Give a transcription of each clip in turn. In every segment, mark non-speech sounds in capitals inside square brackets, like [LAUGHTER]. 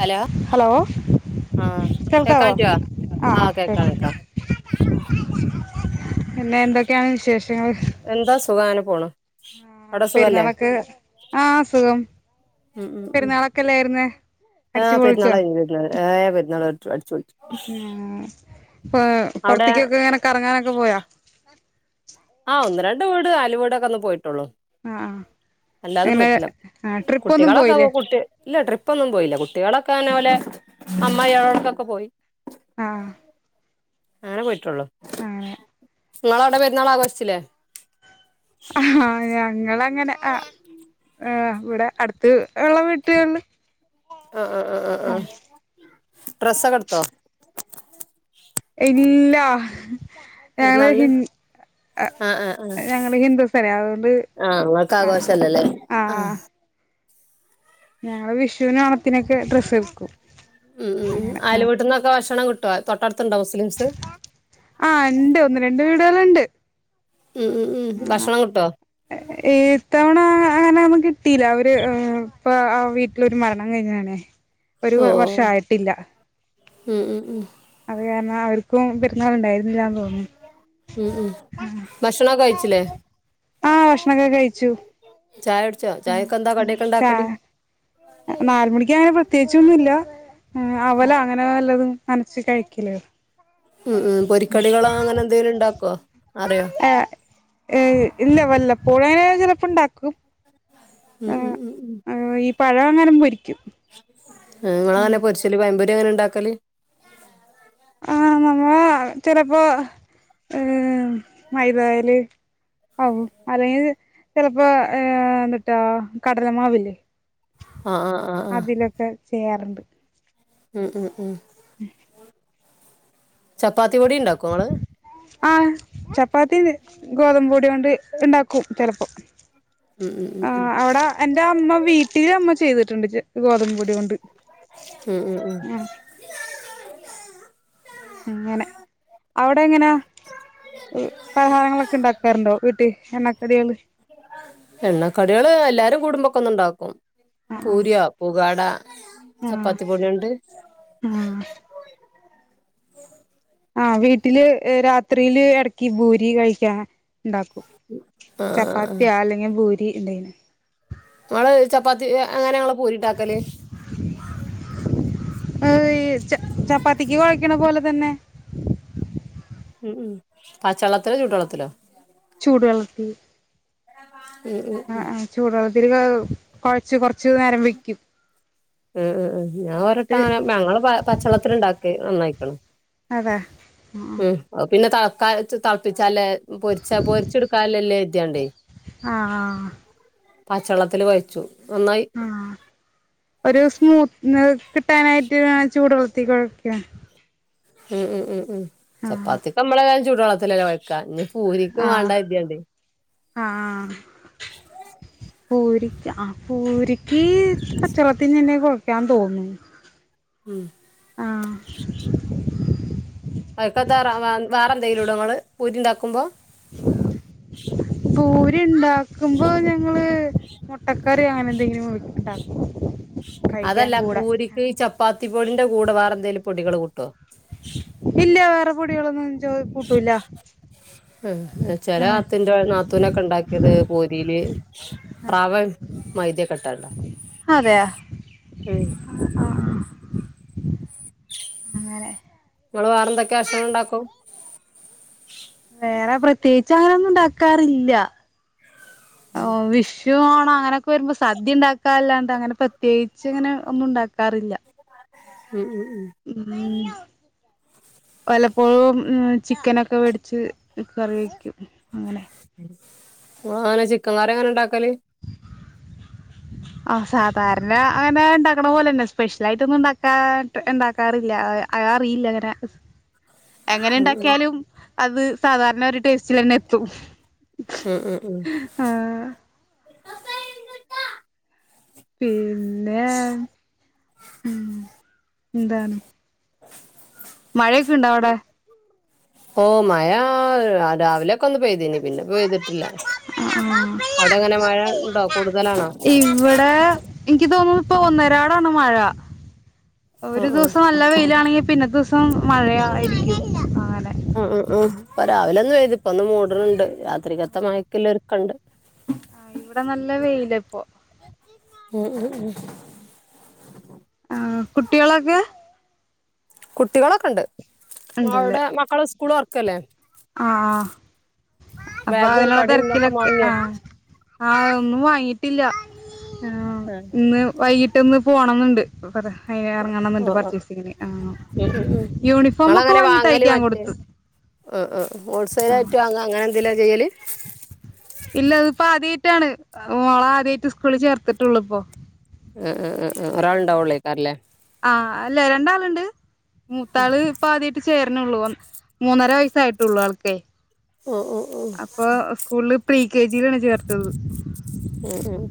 Hello. Hello ആഹ്. കേൾക്കാവോ കേക്കാൻപറ്റോ. ആ ആഹ് കേക്കാ കേൾക്കാം കേക്കാ. പിന്നെ എന്തൊക്കെയാണ് വിശേഷങ്ങള്. എന്താ സുഖ അങ്ങനെ പോണു. ആഹ് അവിടെ സുഖല്ലേ പെരുന്നാളൊക്കെ ആഹ് സുഖം ഉം ഉം ഉം പെരുന്നാളൊക്കെ ഇല്ലേര്ന്ന്. ആഹ് പെര്ന്നാളയ്ര്ന്നു [UNINTELLIGIBLE] പെരുന്നാള് ഏഹ് പെരുന്നാള് അടിച്ചു പോൾച്ചു. പോ പോറ്ത്തിക്കൊക്കെ ഇങ്ങനെ കറങ്ങാനൊക്കെ പോയൊ. ആഹ് ഒന്ന് രണ്ട് വീട് ആയലുവീടൊക്കെ ഒന്ന് പോയിട്ടൊള്ളു. ആ ആ അല്ലാതെ അങ്ങനെ പോയിട്ട്ല്ല. ആ ട്രിപ്പൊന്നും കുട്ടികളൊക്കെ പോ പോയില്ലേ കുട്ടി ഇല്ല. ട്രിപ്പൊന്നും പോയില്ല. കുട്ടികളൊക്കെ ഇങ്ങനെ ഓലെ അമ്മായേൾക്കൊക്കെ പോയി. ആഹ്. അങ്ങെനെ പോയിട്ടാെള്ളു അങ്ങെനെ ഇങ്ങളവ്ടെ പെര്ന്നാളാഘോഷ്ച്ചിലേ അഹ് ആഹ് ഞങ്ങള് അങ്ങെനെ അ വ്ടെ അട്ത്ത് ഇള്ള വ് ആഹ് ആഹ് ആഹ് ആഹ് ആഹ് ഡ്രെസ്സൊക്കെട്ത്തോ ഇല്ലാ പെര്ന്നാൾന് ആഹ് ആഹ് ആഹ് ഞങ്ങള് ഹിന്ദുസല്ലേ അതുകൊണ്ട് ആഹ് ആഹ് ഇങ്ങെൾക്കാഘോഷല്ലലേ ആഹ് ഞങ്ങള് വിഷൂനും ഓൺത്തിനൊക്കെ ഡ്രസ്സ്ട്ക്കും ഉം ഉം ഉം അയല് വീട്ട്ന്നൊക്കെ ഭക്ഷണം ക് ട്ടോ തൊട്ടട്ത്ത്ണ്ടോ മുസ്‌ലീംസ് ആഹ് ഇണ്ട് ഒന്ന് രണ്ട് വീട്കെള്ണ്ട് ഉം ഉം ഉം ഭക്ഷണം കിട്ടോ ഇത്തവണ അങ്ങെനെ ഒന്നും കിട്ടിയില്ല അവെര് ഇപ്പാ ആ വീട്ടിലൊരു മരണം കഴിഞ്ഞതാണേ ഒരു ഓ വ വർഷായിട്ടില്ലാ ഉം ഉം ഉം അത് കാര്ണം അവര് ക്കും പെര്ന്നാള്ണ്ടായിര്ന്നില്ലാന്ന് തോന്ന്ന്നു ഉം ഉം ആഹ് ഭക്ഷണൊക്കെ കഴിച്ചില്ലേ ആഹ് ഭക്ഷണൊക്കെ കഴിച്ചു ചായുട്ച്ചോ ചായക്കെന്താ കട്യൊക്കെണ്ടാക്കെല് നാലുമണിക്ക്യ് അങ്ങെനെ പ്രത്യേകിച്ചൊന്നുല്ലാ ഏഹ് അവലോ അങ്ങെനെ വല്ലെതും നനച്ച് കഴിക്ക്യല് ഉം ഉം പൊരിക്കടികളോ അങ്ങെനെന്തേലുണ്ടാക്കോ അറ്യോ ഏഹ് ഏഹ് ഇല്ല വല്ലപ്പോഴങ്ങെനെ ചെലപ്പണ്ടാക്കും ഉം ഉം ഉം ഉം പഴവെങ്ങാനും പൊരിക്ക്യും ഏഹ് ഇങ്ങെളങ്ങനെ പൊര്ച്ചല് പയംപൊരി അങ്ങെനെണ്ടാക്കല് ആഹ് നമ്മള് ചെലപ്പോ ഏഹ് മൈതായെല് ആവും അല്ലെങ്കില് ചെലപ്പോ ഏഹ് എന്തുട്ടാ കടലമാവില്ലെ ആ ആ ആ ആ അതിലൊക്കെ ചെയ്യാറുണ്ട് ഉം ഉം ഉം ചപ്പാത്തി പൊടീണ്ടാക്കൊങ്ങെള് ആഹ് ചപ്പാത്തി ഗോതമ്പ് പൊടി കൊണ്ട് ഇണ്ടാക്കും ചെലെപ്പം ഉം ഉം ഉം ഉം എന്റെ അമ്മ വീട്ടിലമ്മ ചെയ്തിട്ടുണ്ട് ഗോതമ്പ് പൊടി കൊണ്ട് ഉം ഉം ഉം ആ അങ്ങെനെ അവിടെ എങ്ങെനാ പലഹാരങ്ങളൊക്കെണ്ടാക്കാറ്ണ്ടോ വീട്ട് എണ്ണക്കടികെള് എണ്ണക്കട്യേള് എല്ലാരും കൂടുമ്പൊക്കൊന്ന്ണ്ടാക്കും ആ പൂര്യാേ ആ പുകാടാ ചപ്പാത്തി പൊട്യാേണ്ട് ആഹ് ആഹ് വീട്ടില് രാത്രിയില് എടെക്കി ഭൂരി കഴിക്ക്യാൻ ണ്ടാക്കും ആഹ് ചപ്പാത്തിയാ അല്ലെങ്കി ഭൂരി എന്തെങ്കിലും ങ്ങെള് ചപ്പാത്തി അങ്ങെനേങ്ങെള് പൂരിണ്ടാക്കല് ഈ ച ചപ്പാത്തിക്ക് കൊഴക്കണ പോലെ തെന്നെ ഉം ഉം പാച്ചള്ളത്തിലോ ചൂട് വെള്ളത്തിലോ ചൂട് വെള്ളത്ത് ഉം ഉം ഉം ചൂട് വെള്ളത്തില് വേ കൊഴച്ച് കൊറച്ച് നേരം വെക്ക്യും ഉം ഉം ഉം ഞാൻ ഒരട്ട ങ്ങനെ ഞങ്ങള് പ പച്ചളത്തില്ണ്ടാക്ക് നന്നായി ക്ക്ണ്. അതെ ഉം ഉം ഓഹ് പിന്നെ തളക്ക ച്ച് തൾപ്പിച്ചാലേ പൊരിച്ച പൊരിച്ചെടുക്കാല്ലല്ലേ കര്ത്യാണ്ടെ ആഹ് പച്ചെള്ളത്തില് കൊയച്ചു നന്നായി ഉം ഒരു സ്മൂത്ത് [UNINTELLIGIBLE] കിട്ടാനായിട്ട് ഞാ ചൂടുവെള്ളത്തി കൊഴക്ക. ഉം ഉം ഉം ഉം ആഹ് ചപ്പാത്തിക്ക മ്മളെ തായാലും ചൂട് വെള്ളത്തില്ലല്ലേ കൊഴക്കാ ഇഞ് പൂരിക്ക് മാണ്ട ര്ത്യാണ്ടെ ആഹ് ആഹ് [UNINTELLIGIBLE] പൂരിക്ക് ആഹ് പൂരിക്ക് പച്ചവെള്ളത്തിനെന്നെ കൊഴക്കാന്ന് തോന്ന് ഉം ആഹ് അയ്ക്കെത്താ റവാ വാറെന്തേലുടോ ങ്ങള് പൂരിണ്ടാക്കുമ്പം പൂരിണ്ടാക്കുമ്പോ ഞങ്ങള് മൊ ട്ടക്കറി അങ്ങനെ ന്തെങ്കിലു ണ്ടാക്കും അതല്ല പൂരിക്ക് ഈ ചപ്പാത്തി പൊടിന്റെ കൂടെ വേറെന്തേലും പൊടികള് കൂട്ടോ? ഇല്ല വേറെ പൊടികളൊന്നും ചോ കൂട്ടൂല ഉം ചെലെ ആഹ് [UNINTELLIGIBLE] ഇന്റെ നാത്തൂനൊക്കെ ണ്ടാക്ക്യത് പൂരീല് ആഹ് റവിം മൈദ ക്കെട്ടാണ്ടാ. അതെയ ഉം അങ്ങനെ ങ്ങള് വേറെന്തെക്കെ ഭക്ഷണണ്ടാക്കും? വേറെ പ്രത്യേകിച്ച ങ്ങനൊന്നു ണ്ടാക്കാറില്ല ഓഹ് വിഷ് രുവോണം അങ്ങനൊക്കെ വെരുമ്പോ സദ്യ ണ്ടാക്കാല്ലാണ്ട് അങ്ങനെ പ്രത്യേകിച്ച് ങ്ങനെ ഒന്നു ണ്ടാക്കാറില്ല. ഉം ഉം ഉം ഉം വലപ്പോഴും ഉം ചിക്കനൊക്കെ വേടിച്ച് കറി വെക്കും അങ്ങനെ ഉം ഇങ്ങളെങ്ങനെ ചിക്കൻ കറി എങ്ങനെ ണ്ടാക്കല്? [UNINTELLIGIBLE] ആഹ് സാധാര്ണ അങ്ങനെ ഇണ്ടാക്കണ പോലെന്നെ സ്പെഷ്യലായിട്ടൊന്നുണ്ടാക്കാ ട്ട് ഇണ്ടാക്കാറില്ല. [UNINTELLIGIBLE] അത് അറിയില്ലങ്ങ രാ എങ്ങനെ ണ്ടാക്ക്യാലും അത് സാധാരണൊരു ടേസ്റ്റിലെന്നെത്തും. ഉം ഉം ഉം ആഹ് പിന്നെ ഉം എന്താണ് [UNINTELLIGIBLE] മഴൊക്കെണ്ടാ വടെ? ഓഹ് മഴാ രാ രാവിലെ ക്കൊന്ന് പെയ്തീനി പിന്നെ പെയ്തിട്ടില്ല അവടെ ങ്ങനെ മഴ ണ്ടോ കൂടുതലാണോ? ഇവ്ടെ ഇൻക്ക് തോന്നുന്നു ഇപ്പൊ ഒന്നരാടാണ് മഴ ഒരു ഉം ഉം ദിവസം നല്ല വെയിലാണെങ്കി പിന്നത്തെ ദിവസം മഴയായിരിക്കും. അങ്ങനെ ഉം ഉം ഉം ഇപ്പ രാവിലന്ന് പെയ്തു ഇപ്പൊന്ന് മൂട്ണ് ണ്ട് രാത്രികത്ത മയക്ക്ള്ള ഒരുക്കണ്ട്. ആഹ് ഇവിടെ നല്ല വെയിലപ്പൊ ഉം ഉം ഉം ആഹ് കുട്ടികളൊക്കെ കുട്ടികളൊക്കണ്ട് ഇങ്ങള്ടെ മക്കളെ സ്കൂള് തൊറക്കല്ലേ. ആഹ് അപ്പൊ ബാഗും അതിനുള്ള കൊടയും ഒക്കെ തെര്ക്കിലൊക്കെ വാങ്ങിയോ ആഹ് ആഹ് ഒന്നും വാങ്ങീട്ടില്ല ആഹ് ഇന്ന് വൈകിട്ട് ഒന്ന് പോണം ന്ന്ണ്ട്. നോക്കട്ടെ എറ്ങ്ങണം ന്ന്ണ്ട് ആഹ് പർച്ചേസിങ്ങിന് ആഹ് ഉം ഉം ഉം യൂണിഫോമൊക്കെ വാങ്ങി തയ്ക്കാൻ കൊട്ത്തു. ഓഹ് ഓഹ് ഓഹ് ഹോൾസെൽ ആയിറ്റ് വാങ്ങാ അങ്ങനെ എന്തെലാ ചെയ്യല്. ഇല്ല അത്പ്പോ ആദ്യയ്ട്ടാണ് മോളെ ആദ്യയിട്ട് സ്കൂളില് ചേർത്തിട്ടൊള്ളൂ ഇപ്പോ. ഈഹ് ഈഹ് ഈഹ് ഒരാള്ണ്ടാവൊള്ളെയ്ക്കാരല്ലേ. ആഹ് അല്ലേയ് രണ്ടാള്ണ്ട് മൂത്താള്. ഇപ്പ ആദ്യയിട്ട് ചേര്നൊള്ളൂ മൂന്നര വയസ്സായിട്ടൊള്ളൂ ആൾക്കേയ് ആഹ് ആഹ് ആഹ് അപ്പൊ സ്കൂളില് പ്രീ കെ ജിലാണ് ചേർത്തത്. ഉം ഉം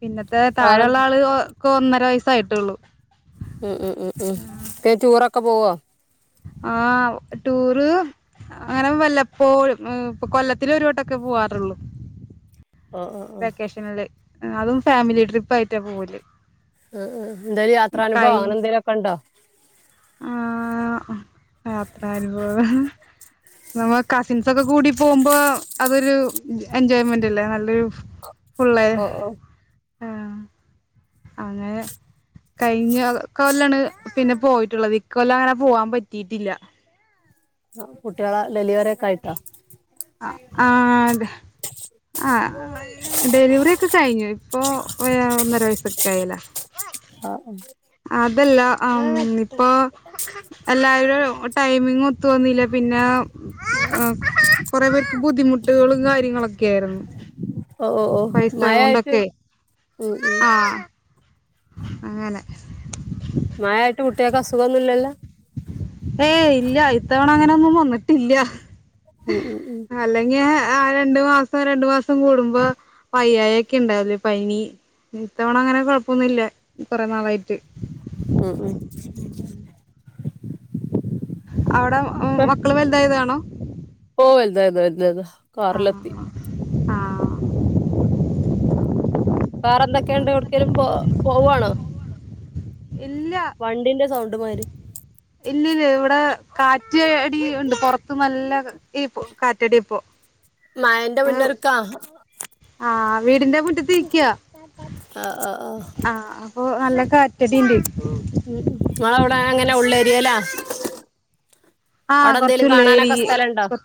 പിന്നത്തെ താഴെള്ള വേറെന്ത് ആള് ഓക് ഒന്നര വയസ്സ് ആയിട്ടൊള്ളു. ഉം ഉം ഉം ഉം പിന്നെ ടൂറൊക്കെ പോവോ. ആഹ് ടൂറ്. അങ്ങനെ വല്ലപ്പോഴും ഉം കൊല്ലത്തിലൊരു വട്ടൊക്കെ പോവാറൊള്ളു. ആഹ് ആഹ് ആഹ് വെക്കേഷന്ല് അതും ഫാമിലി ട്രിപ്പ് ആയിട്ടാ പോവല്. ഈഹ് ഈഹ് എന്താലും യാത്രാനുഭവോ കഴി അങ്ങനെന്തെങ്കിലൊക്കെണ്ടോ. ആഹ് യാത്രനുഭവം. നമ്മളെ കസിൻസൊക്കെ കൂടി പോകുമ്പോ അതൊരു എൻജോയ്മെന്റ് അല്ലേ നല്ലൊരു. ഫുള്ള് ഓഹ് ഓഹ് ആഹ് അങ്ങനെ. കഴിഞ്ഞ കൊല്ലാണ് പിന്നെ പോയിട്ടുള്ളത് ഇകൊല്ലം അങ്ങനെ പോവാൻ പറ്റിട്ടില്ല. ആഹ് കുട്ട്യാളെ ഡെലിവറിക്കെ ആയിട്ടോ. ആഹ് ആത ആഹ് ഡെലിവറി ഒക്കെ കഴിഞ്ഞു ഇപ്പോ ഏഹ് ഒന്നര വയസ്സൊക്കെ ആയിലെ ആഹ് അതല്ല ആഹ് ഇപ്പൊ. എല്ലാരും ടൈമിങ് ഒത്തു വന്നിലെ പിന്നെ. ആഹ് കൊറെ പേർക്ക് ബുദ്ധിമുട്ടുകളും കാര്യങ്ങളൊക്കെ ആയ്രുന്നു. ഓഹ് ഓഹ് ഓഹ് മഴ ആയിട്ട് ഉം ഉം. ആഹ് അങ്ങനെ മഴായിട്ട് കുട്ട്യാക്ക് അസുഖോന്ന്ല്ലല്ലോ. ഏയ് ഇല്ല ഇത്തവണ അങ്ങനൊന്നും വന്നിട്ടില്ല. ഉം ഉം ഉം അല്ലെങ്കിൽ ആഹ് രണ്ട് മാസം രണ്ട് മാസം കൂടുമ്പോ. വയ്യായിയൊക്കെ ഉണ്ടാവല് പനി ഇത്തവണ അങ്ങനെ കൊയപ്പൊന്നുല്ല കുറെ നാളായിട്ട്. ഉ ഉ. അവടെ ഉം മക്കള് വൽതായതാണോ? ഓഹ് വൽതായി [UNINTELLIGIBLE] ആഹ് ആറ്ലെത്തി. ആഹ് ആഹ് ആഹ് വേറെന്തക്കണ്ട് എവ്ട്ക്കേലും പോ പോവ്വാണോ? ഇല്ല. വണ്ടിന്റെ സൗണ്ട് മാരി. ഇല്ലല്ല ഇവടെ കാറ്റ് അടി ണ്ട് പൊർത്ത് ന്നല്ല ഈപ്പോ കാറ്റടിപ്പോ മയന്റെ മുന്നൊരു ക്കാഹ ആഹ് വീടിന്റെ മുറ്റത്തിരിക്ക്യ. ആഹ് ആഹ് ആഹ്. അപ്പൊ നല്ല കാറ്റടിണ്ട് ഉം ങ്ങളവടെ എങ്ങനെ ഉള്ളേരിയലാ? ആഹ് അവടെ എന്തേലും കൊറച്ചുള്ളേരി കാണാനൊക്കെ സ്ഥലണ്ടോ? കൊ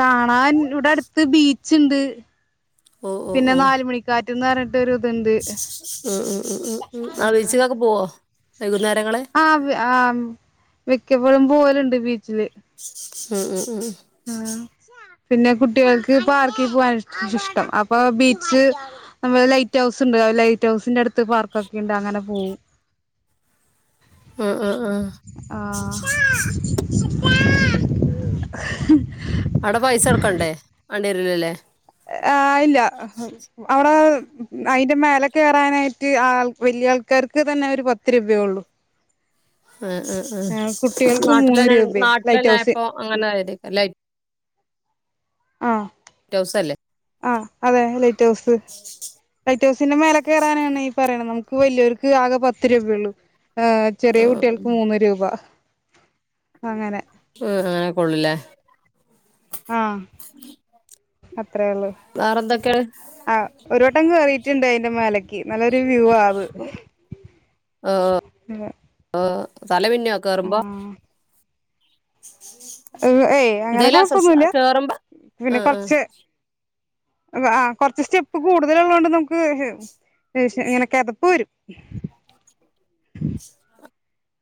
കാണാൻ ഇവടെ അടുത്ത് ബീച്ച്ണ്ട്, ഓ ഓ പിന്നെ ഓ ന്നാലുമണിക്കാറ്റ്ന്നറ ട്ടൊര്ത്ണ്ട്. ഉം ഉം ഉം ഉം ഉ ആഹ് ബീച്ചിക്കൊക്ക പുവ്വോ വൈകുന്നേരങ്ങള്? ആഹ് ആം മിക്കപ്പോഴും പോവല്ണ്ട് ബീച്ചില്. ഉ ഉ ഉം ആഹ്, പിന്നെ കുട്ട്യാൾക്ക് പാർക്കി പുവ്വാനാ ഇഷ് ഇഷ്ടം അപ്പൊ ബീച്ച്. ന്നമ്മള് ലൈറ്റ് ഹൗസ്ണ്ട് ലൈറ്റ് ഹൗസിന്റെടുത്ത് പാർക്കൊക്കിണ്ട് അങ്ങനെ പോവും. ആഹ് ആഹ് ആഹ്. [UNINTELLIGIBLE] [UNINTELLIGIBLE] അവടെ പൈസട്ക്കണ്ടേ? മാണ്ടിരൂലലെ. ആഹ് ഇല്ല്യ. അവടെ അയ്ന്റെ മേല കേറാനായിട്ട് ആഹ് വല്ല്യ ആൾക്കാർക്ക് തന്നെ ഒര് പത്ത് രൂപയൊള്ളു. ആഹ് ആഹ് ആഹ് കുട്ടികൾക്ക് മൂന്ന് ന്നാട്ട്ലനെ രൂപയും ലൈറ്റ് ന്നാട്ട്ലെനെ ഹൗസ് ആയപ്പോ അങ്ങനെ ആയതയ്ക്കാര്ലെ ആഹ്. റ്റൗസല്ലേ? ആഹ് അതെ ലൈറ്റ് ഹൗസ്. ലൈറ്റ്ഹൗസിന്റെ മേലെ കേറാനാണ് ഈ പറേണത് ന്നമുക്ക് വല്ല്യാര്ക്ക് ആകെ പത്ത് രൂപയള്ളൂ. ചെറിയ ആ കുട്ട്യാൾക്ക് മൂന്ന് രൂപ അങ്ങനെ. ഉം ആഹ്, അങ്ങനെക്കെള്ളൂലെ. ആഹ്. അത്രയള്ളൂ. വേറെന്തൊക്കെ? ആഹ് ഒരു വട്ടം കേറീറ്റ്ണ്ട് അയ്ന്റെ മേലെ കി ന്നല്ലൊരു വ്യൂ ആവ് ഓഹ് തലമിന്നൂ കേറ്മ്പോ? ആഹ് ഏയ് അങ്ങനെ എന്തേലും അസ്വസ്ഥ കൊഴ്പ്പൊന്നുല്ല്യ കേറുമ്പോ പിന്നെ ആ ആ കൊർച്ച് ആഹ് കൊർച്ച് സ്റ്റെപ്പ് കൂട്തല്ള്ളോണ്ട് ന്നമുക്ക് [UNINTELLIGIBLE] ഇങ്ങനെ ക്കെതപ്പ് വരും.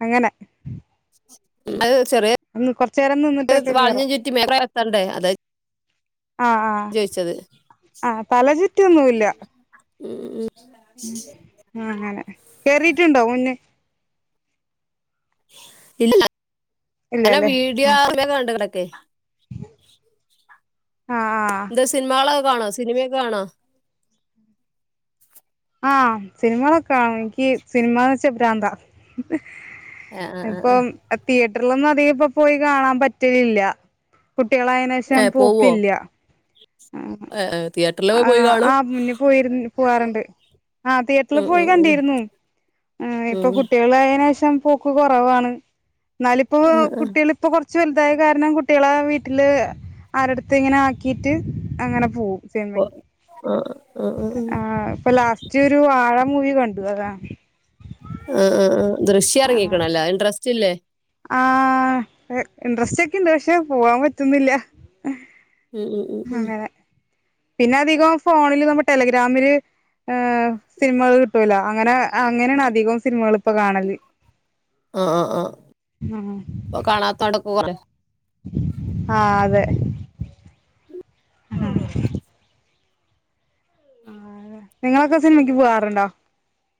അങ്ങനെ അത് ചെറിയ ഒന്ന് കൊറച്ചു നേരം നിന്നിട്ടൊക്കെ വാളിനേം കേറാം ചുറ്റി [UNINTELLIGIBLE] അതായത് ആഹ് ആഹ് ആഹ് തല ചുറ്റൊന്നുംല്ല ഉം ഉം ഉം അങ്ങനെ കേറിട്ടുണ്ടോ മുന്നേ ഇല്ല ഇങ്ങനെ ഇല്ലല്ലേ ആഹ് വീഡിയോക്കെ കണ്ടെടക്കെ ആഹ് ആഹ് എന്താ സിനിമകളക്കെ കാണോ സിനിമയൊക്കെ കാണോ ആഹ് സിനിമകളൊക്കെണ കാണും എനിക്ക് സിനിമന്ന് വെച്ചാ ഭ്രാന്താ ആ ആ ആ ആ. അപ്പം ആഹ് തിയേറ്ററിലൊന്നും അധികം ഇപ്പ പോയി കാണാൻ പറ്റലില്ല കുട്ടികളായ നേശം പോക്കില്ല ആഹ് തിയ ആഹ് ആഹ് മുന്നേ പോയിരുന്നു പോവാറുണ്ട് ആഹ് തിയേറ്ററിൽ ഉം പോയി ഉം കണ്ടിരുന്നു ഉം ഇപ്പൊ ഉം കുട്ടികളായേനേഷം പോ ക്ക് കൊറവാണ് എന്നാലിപ്പോ ആ കുട്ടികള് ഇപ്പൊ കൊറച്ച് വലുതായ കാരണം കുട്ടികളെ വീട്ടില് ആരെടുത്തും ഇങ്ങനെ ആക്കിട്ട് അങ്ങനെ പോവും ആ പോ സിനിമക്ക് ആ ആ ആ ആ. ആഹ് ഇപ്പൊ ലാസ്റ്റ് ഒരു വാഴ മൂവി കണ്ടു അതാ ആഹ് ആഹ് ആഹ് ദൃശ്യം എറങ്ങിക്കണല്ല ഇൻ്ററസ്റ്റില്ലേ ആഹ് ഇൻട്രസ്റ്റ് ഒക്കെ ഇണ്ട് പക്ഷെ പോവാൻ പറ്റുന്നില്ല ഉം ഉം ഉം ഉം അങ്ങനെ പിന്നെ അധികം ഫോണില് നമ്മ ടെലഗ്രാമില് ഏഹ് സിനിമകള് കിട്ടൂല അങ്ങനെ അങ്ങനെയാണ് അധികവും സിനിമകളിപ്പൊ കാണല് ആഹ് ആഹ് ഇപ്പൊ കാണാത്തോടക്ക പോവാ ആഹ് അതെ ഉം നിങ്ങളൊക്കെ സിനിമയ്ക്ക് പൂവാറുണ്ടോ